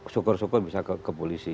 syukur syukur bisa ke polisi